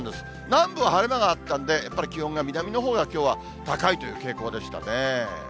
南部は晴れ間があったんで、やっぱり気温が、南のほうがきょうは高いという傾向でしたね。